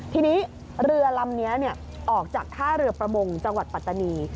ทีนี้เรือลำนี้ออกจากท่าเรือประมงจังหวัดปัตตานี